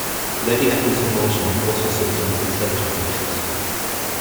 Lady Eccles of Moulton also sits on the Conservative benches.